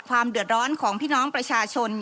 ความเดือดร้อนของพี่น้องประชาชน